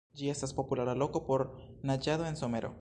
Ĝi estas populara loko por naĝado en somero.